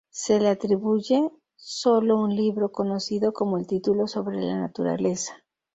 Se le atribuye solo un libro, conocido con el título "Sobre la Naturaleza".